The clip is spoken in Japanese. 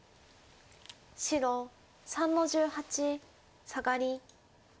白３の十八サガリ。